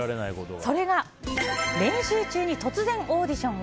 それが、練習中に突然オーディションへ。